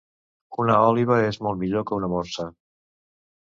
Una òliba és molt millor que una morsa